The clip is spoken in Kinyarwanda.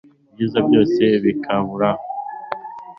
ibyiza byose bikirabura